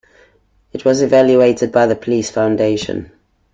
It was evaluated by the Police Foundation.